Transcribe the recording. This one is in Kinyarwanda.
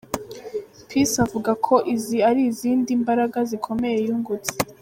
Peace avuga ko izi ari izindi mbaraga zikomeye yungutse.